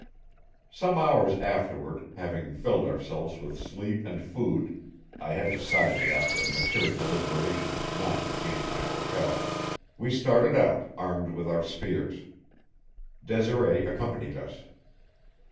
Some hours afterward, having filled ourselves with sleep and food (I had decided, after mature deliberation, not to change my hotel), we started out, armed with our spears. Desiree accompanied us.